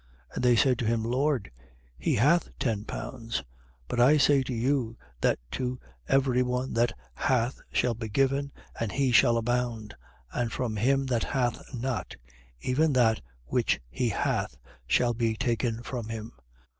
19:25. And they said to him: Lord, he hath ten pounds. 19:26. But I say to you that to every one that hath shall be given, and he shall abound: and from him that hath not, even that which he hath shall be taken from him.